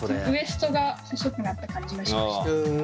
ウエストが細くなった感じがしました。